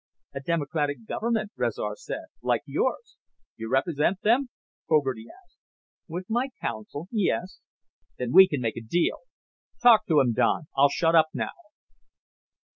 "A democratic government," Rezar said. "Like yours." "You represent them?" Fogarty asked. "With my council, yes." "Then we can make a deal. Talk to him, Don. I'll shut up now."